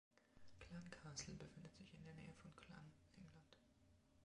Clun Castle befindet sich in der Nähe von Clun, England.